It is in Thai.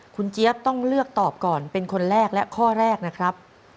คุณเจี๊ยบต้องเลือกตอบก่อนเป็นคนแรกและข้อแรกนะครับ